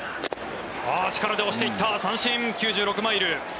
力で押していった三振、９６マイル。